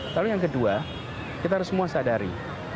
lalu yang kedua kita harus semua sadari